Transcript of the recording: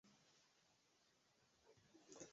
Mchezaji anaweza kutumia mkono mmoja tu.